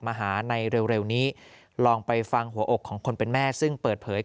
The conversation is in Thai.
มาหาในเร็วนี้ลองไปฟังหัวอกของคนเป็นแม่ซึ่งเปิดเผย